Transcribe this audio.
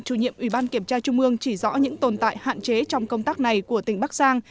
chủ nhiệm ủy ban kiểm tra trung ương chỉ rõ những tồn tại hạn chế trong công tác này của tỉnh bắc giang